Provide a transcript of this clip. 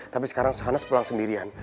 tapi sekarang johannes pulang sendirian